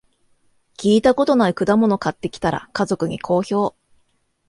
聞いたことない果物買ってきたら、家族に好評